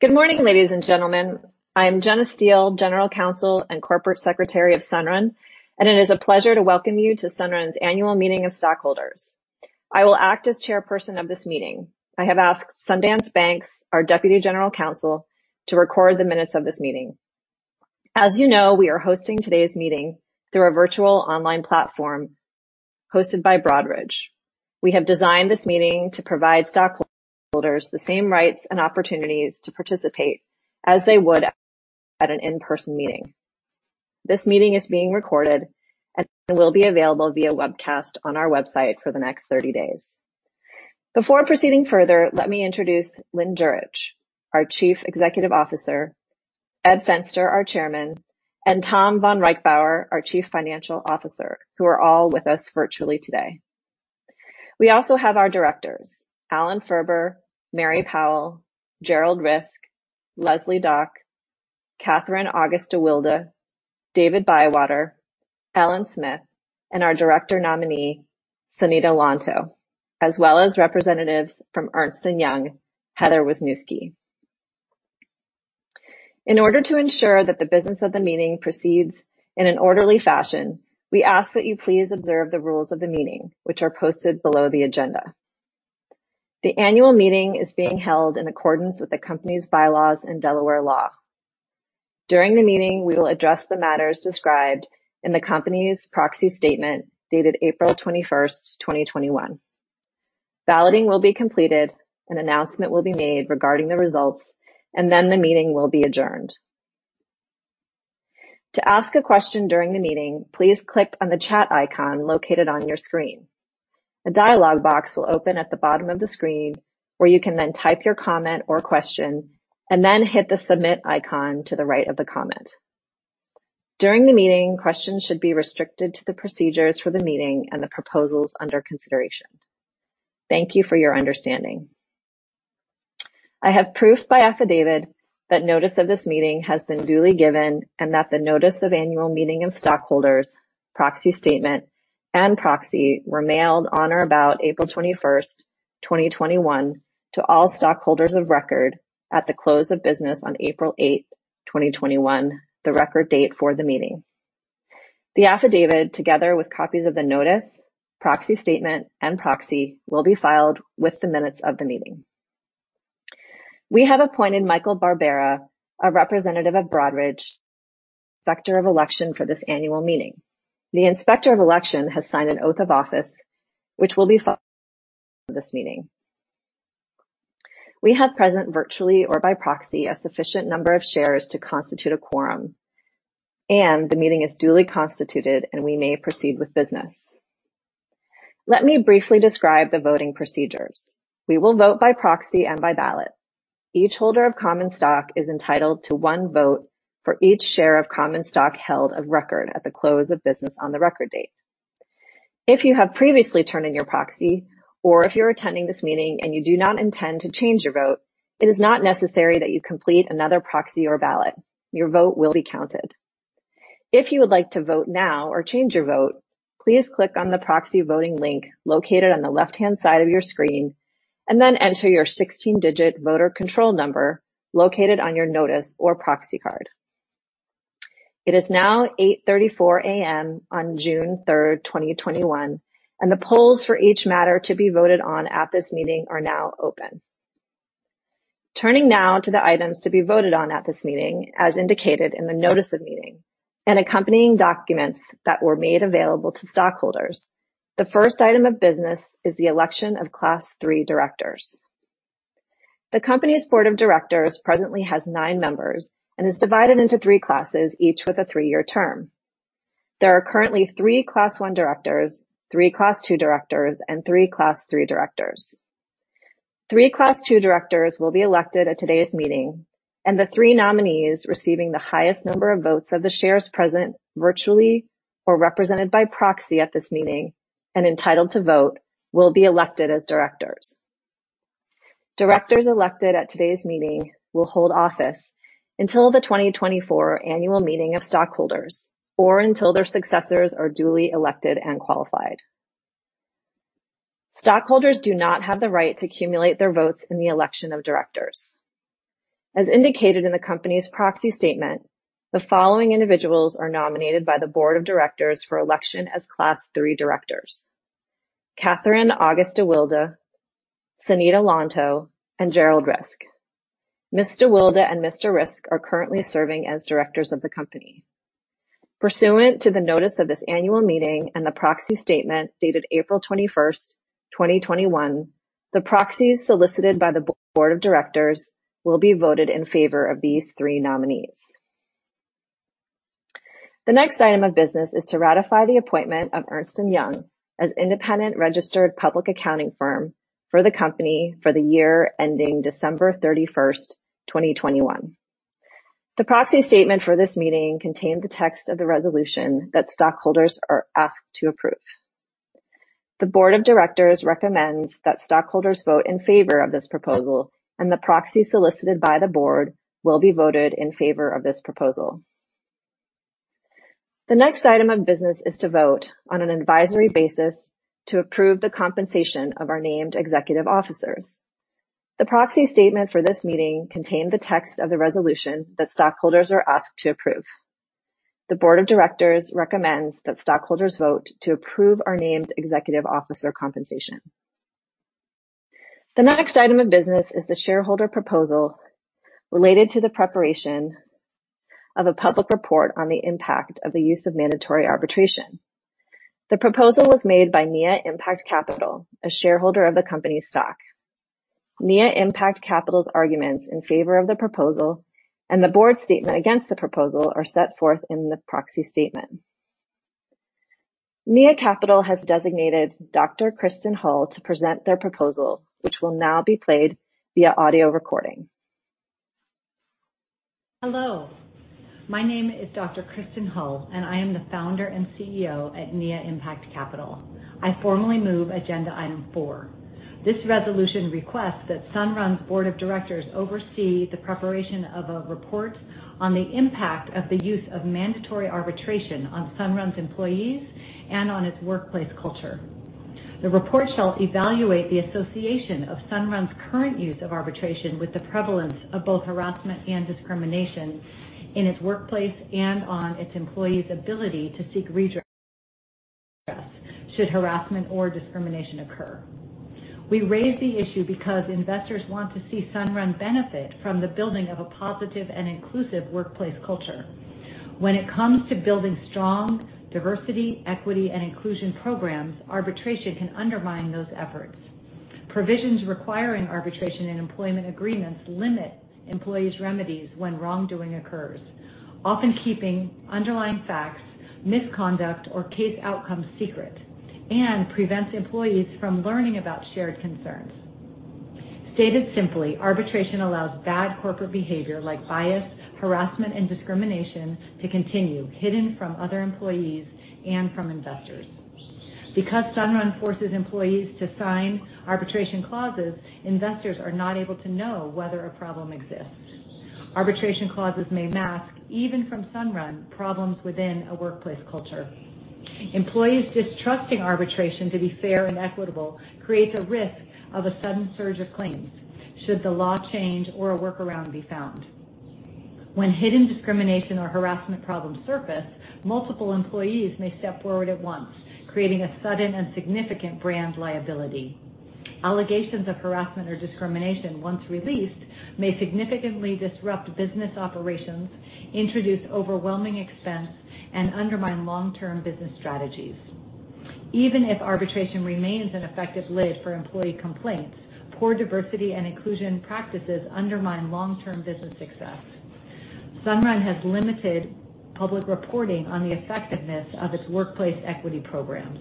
Good morning, ladies and gentlemen. I am Jeanna Steele, General Counsel and Corporate Secretary of Sunrun, and it is a pleasure to welcome you to Sunrun's annual meeting of stockholders. I will act as Chairperson of this meeting. I have asked Sundance Banks, our Deputy General Counsel, to record the minutes of this meeting. As you know, we are hosting today's meeting through a virtual online platform hosted by Broadridge. We have designed this meeting to provide stockholders the same rights and opportunities to participate as they would at an in-person meeting. This meeting is being recorded and will be available via webcast on our website for the next 30 days. Before proceeding further, let me introduce Lynn Jurich, our Chief Executive Officer, Ed Fenster, our Chairman, and Tom vonReichbauer, our Chief Financial Officer, who are all with us virtually today. We also have our directors: Alan Ferber, Mary Powell, Gerald Risk, Leslie Dach, Katherine August-deWilde, David Bywater, Alan Smith, and our director nominee, Sonita Lontoh, as well as representatives from Ernst & Young, Heather Wisniewski. In order to ensure that the business of the meeting proceeds in an orderly fashion, we ask that you please observe the rules of the meeting, which are posted below the agenda. The annual meeting is being held in accordance with the company's bylaws and Delaware law. During the meeting, we will address the matters described in the company's proxy statement dated April 21, 2021. Balloting will be completed, an announcement will be made regarding the results, and then the meeting will be adjourned. To ask a question during the meeting, please click on the chat icon located on your screen. A dialog box will open at the bottom of the screen where you can then type your comment or question and then hit the submit icon to the right of the comment. During the meeting, questions should be restricted to the procedures for the meeting and the proposals under consideration. Thank you for your understanding. I have proof by affidavit that notice of this meeting has been duly given and that the notice of annual meeting of stockholders, proxy statement, and proxy were mailed on or about April 21, 2021, to all stockholders of record at the close of business on April 8, 2021, the record date for the meeting. The affidavit, together with copies of the notice, proxy statement, and proxy, will be filed with the minutes of the meeting. We have appointed Michael Barbera, a representative of Broadridge, Inspector of Election for this annual meeting. The Inspector of Election has signed an oath of office, which will be followed by this meeting. We have present virtually or by proxy a sufficient number of shares to constitute a quorum, and the meeting is duly constituted, and we may proceed with business. Let me briefly describe the voting procedures. We will vote by proxy and by ballot. Each holder of common stock is entitled to one vote for each share of common stock held of record at the close of business on the record date. If you have previously turned in your proxy or if you're attending this meeting and you do not intend to change your vote, it is not necessary that you complete another proxy or ballot. Your vote will be counted. If you would like to vote now or change your vote, please click on the proxy voting link located on the left-hand side of your screen and then enter your 16-digit voter control number located on your notice or proxy card. It is now 8:34 A.M. on June 3, 2021, and the polls for each matter to be voted on at this meeting are now open. Turning now to the items to be voted on at this meeting, as indicated in the notice of meeting and accompanying documents that were made available to stockholders, the first item of business is the election of Class 3 directors. The company's board of directors presently has nine members and is divided into three classes, each with a three-year term. There are currently three Class 1 directors, three Class 2 directors, and three Class 3 directors. Three Class 3 directors will be elected at today's meeting, and the three nominees receiving the highest number of votes of the shares present virtually or represented by proxy at this meeting and entitled to vote will be elected as directors. Directors elected at today's meeting will hold office until the 2024 annual meeting of stockholders or until their successors are duly elected and qualified. Stockholders do not have the right to accumulate their votes in the election of directors. As indicated in the company's proxy statement, the following individuals are nominated by the board of directors for election as Class 3 directors: Katherine August-deWilde, Sonita Lontoh, and Gerald Risk. Ms. Wilde and Mr. Risk are currently serving as directors of the company. Pursuant to the notice of this annual meeting and the proxy statement dated April 21, 2021, the proxies solicited by the board of directors will be voted in favor of these three nominees. The next item of business is to ratify the appointment of Ernst & Young as Independent Registered Public Accounting Firm for the company for the year ending December 31, 2021. The proxy statement for this meeting contained the text of the resolution that stockholders are asked to approve. The board of directors recommends that stockholders vote in favor of this proposal, and the proxy solicited by the board will be voted in favor of this proposal. The next item of business is to vote on an advisory basis to approve the compensation of our named executive officers. The proxy statement for this meeting contained the text of the resolution that stockholders are asked to approve. The Board of Directors recommends that stockholders vote to approve our named executive officer compensation. The next item of business is the shareholder proposal related to the preparation of a public report on the impact of the use of mandatory arbitration. The proposal was made by Nia Impact Capital, a shareholder of the company's stock. Nia Impact Capital's arguments in favor of the proposal and the board's statement against the proposal are set forth in the proxy statement. Nia Capital has designated Dr. Kristen Hull to present their proposal, which will now be played via audio recording. Hello. My name is Dr. Kristen Hull, and I am the founder and CEO at Nia Impact Capital. I formally move agenda item four. This resolution requests that Sunrun's board of directors oversee the preparation of a report on the impact of the use of mandatory arbitration on Sunrun's employees and on its workplace culture. The report shall evaluate the association of Sunrun's current use of arbitration with the prevalence of both harassment and discrimination in its workplace and on its employees' ability to seek redress should harassment or discrimination occur. We raise the issue because investors want to see Sunrun benefit from the building of a positive and inclusive workplace culture. When it comes to building strong diversity, equity, and inclusion programs, arbitration can undermine those efforts. Provisions requiring arbitration in employment agreements limit employees' remedies when wrongdoing occurs, often keeping underlying facts, misconduct, or case outcomes secret, and prevents employees from learning about shared concerns. Stated simply, arbitration allows bad corporate behavior like bias, harassment, and discrimination to continue hidden from other employees and from investors. Because Sunrun forces employees to sign arbitration clauses, investors are not able to know whether a problem exists. Arbitration clauses may mask, even from Sunrun, problems within a workplace culture. Employees distrusting arbitration to be fair and equitable creates a risk of a sudden surge of claims should the law change or a workaround be found. When hidden discrimination or harassment problems surface, multiple employees may step forward at once, creating a sudden and significant brand liability. Allegations of harassment or discrimination, once released, may significantly disrupt business operations, introduce overwhelming expense, and undermine long-term business strategies. Even if arbitration remains an effective lid for employee complaints, poor diversity and inclusion practices undermine long-term business success. Sunrun has limited public reporting on the effectiveness of its workplace equity programs.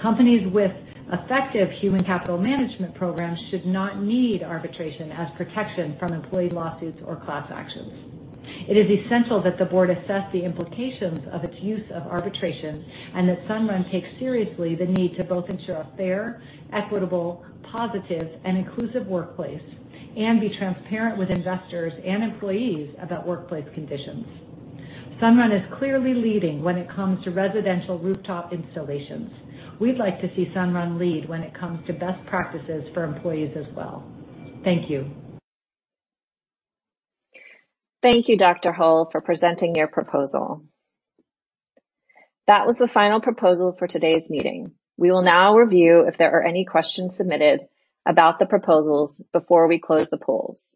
Companies with effective human capital management programs should not need arbitration as protection from employee lawsuits or class actions. It is essential that the board assess the implications of its use of arbitration and that Sunrun takes seriously the need to both ensure a fair, equitable, positive, and inclusive workplace and be transparent with investors and employees about workplace conditions. Sunrun is clearly leading when it comes to residential rooftop installations. We'd like to see Sunrun lead when it comes to best practices for employees as well. Thank you. Thank you, Dr. Hull, for presenting your proposal. That was the final proposal for today's meeting. We will now review if there are any questions submitted about the proposals before we close the polls.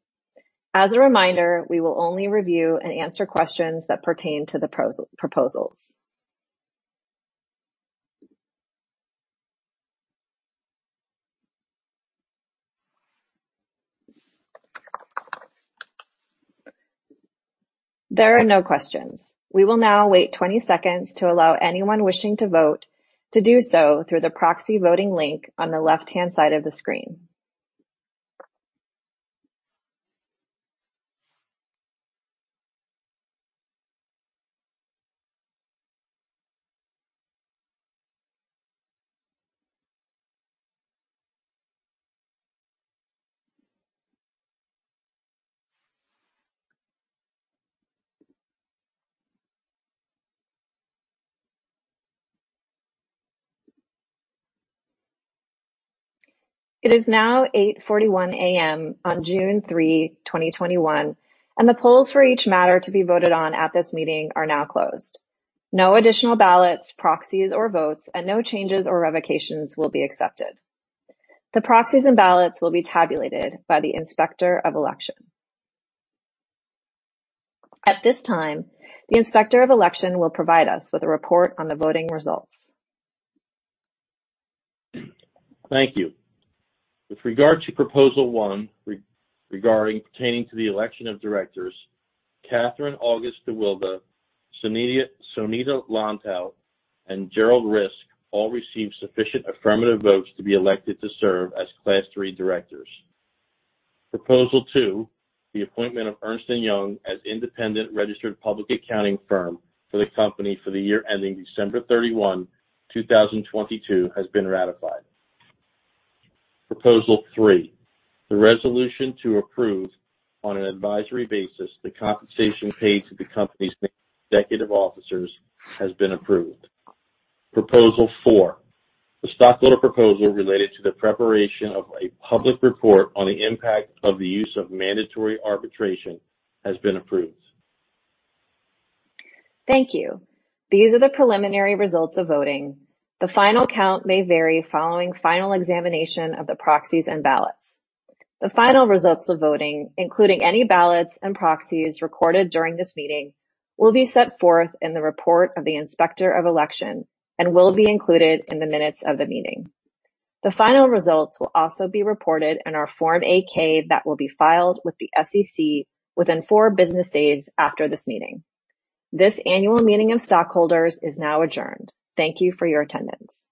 As a reminder, we will only review and answer questions that pertain to the proposals. There are no questions. We will now wait 20 seconds to allow anyone wishing to vote to do so through the proxy voting link on the left-hand side of the screen. It is now 8:41 A.M. on June 3, 2021, and the polls for each matter to be voted on at this meeting are now closed. No additional ballots, proxies, or votes, and no changes or revocations will be accepted. The proxies and ballots will be tabulated by the Inspector of Election. At this time, the Inspector of Election will provide us with a report on the voting results. Thank you. With regard to proposal one regarding pertaining to the election of directors, Katherine August-deWilde, Sonita Lontoh, and Gerald Risk all received sufficient affirmative votes to be elected to serve as Class 3 directors. Proposal two, the appointment of Ernst & Young as Independent Registered Public Accounting Firm for the company for the year ending December 31, 2022, has been ratified. Proposal three, the resolution to approve on an advisory basis the compensation paid to the company's executive officers has been approved. Proposal four, the stockholder proposal related to the preparation of a public report on the impact of the use of mandatory arbitration has been approved. Thank you. These are the preliminary results of voting. The final count may vary following final examination of the proxies and ballots. The final results of voting, including any ballots and proxies recorded during this meeting, will be set forth in the report of the Inspector of Election and will be included in the minutes of the meeting. The final results will also be reported in our Form 8-K that will be filed with the SEC within four business days after this meeting. This annual meeting of stockholders is now adjourned. Thank you for your attendance.